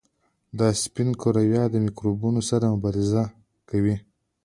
دا سپین کرویات له میکروبونو سره مبارزه کوي.